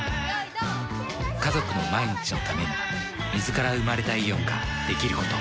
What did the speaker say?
家族の毎日のために水から生まれたイオンができること。